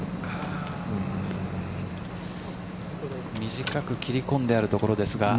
短く切り込んであるところですが。